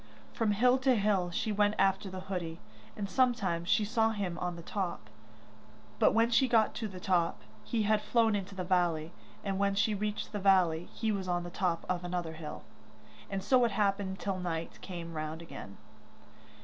From hill to hill she went after the hoodie, and sometimes she saw him on the top; but when she got to the top, he had flown into the valley, and when she reached the valley he was on the top of another hill and so it happened till night came round again.